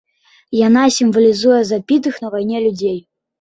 Яна сімвалізуе забітых на вайне людзей.